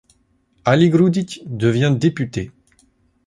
Aligrudić devient député.